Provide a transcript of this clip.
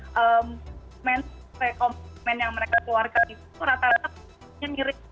comment comment yang mereka keluarkan itu rata rata mirip